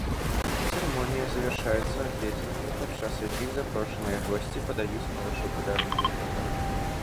Цырымонія завяршаецца агледзінамі, падчас якіх запрошаныя госці падаюць малышу падарункі.